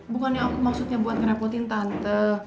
bukan yang aku maksudnya buat ngerepotin tante